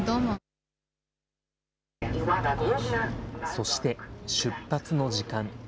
そして、出発の時間。